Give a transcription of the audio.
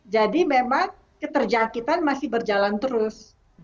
jadi memang keterjakitan masih berjalan terus